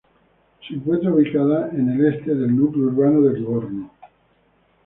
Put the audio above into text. Se encuentra ubicada en el este del núcleo urbano de Livorno.